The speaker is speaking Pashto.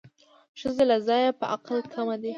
ښځې له ځایه په عقل کمې دي